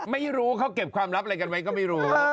ไม่รู้เขาเก็บความลับอะไรกันไว้ก็ไม่รู้